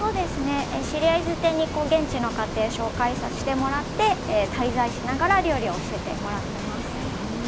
知り合いづてに現地の家庭を紹介してもらって滞在しながら料理を教えてもらってます。